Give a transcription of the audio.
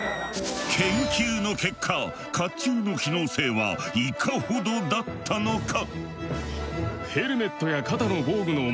研究の結果甲冑の機能性はいかほどだったのか？